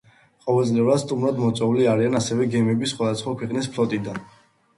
ყოველწლიურად სტუმრად მოწვეული არიან ასევე გემები სხვადასხვა ქვეყნის ფლოტიდან.